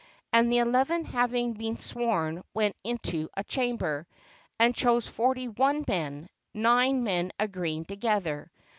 And the eleven hav ing been sworn, went into a chamber, and chose forty one men, nine men agreeing together.